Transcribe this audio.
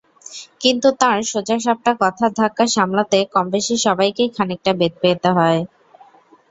কিন্তু তাঁর সোজাসাপটা কথার ধাক্কা সামলাতে কমবেশি সবাইকেই খানিকটা বেগ পেতে হয়।